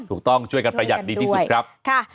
ถูกต้องช่วยกันประหยัดดีที่สุดครับ